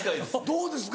どうですか？